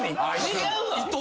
違うわ！